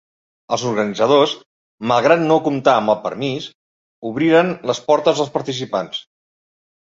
Els organitzadors, malgrat no comptar amb el permís, obriren les portes als participants.